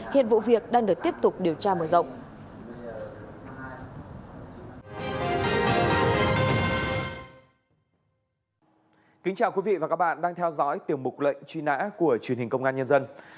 hiện vụ việc đang được tiếp tục điều tra mở rộng